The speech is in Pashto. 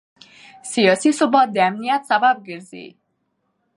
سیاسي ثبات د امنیت سبب ګرځي